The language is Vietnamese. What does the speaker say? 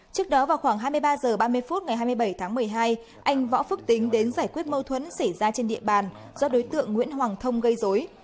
trước đó vào khoảng hai mươi ba h ba mươi phút ngày hai mươi bảy tháng một mươi hai anh võ phước tính đến giải quyết mâu thuẫn xảy ra trên địa bàn do đối tượng nguyễn hoàng thông gây dối